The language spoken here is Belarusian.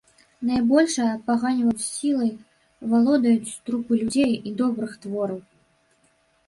Найбольшай апаганьваюць сілай валодаюць трупы людзей і добрых твораў.